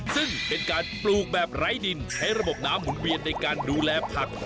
ซึ่งเป็นการปลูกแบบไร้ดินใช้ระบบน้ำหมุนเวียนในการดูแลผัก